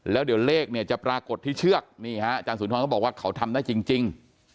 แล้วเดี๋ยวเลขเนี่ยจะปรากฏที่เชือกนี่ฮะอาจารย์สุนทรก็บอกว่าเขาทำได้จริง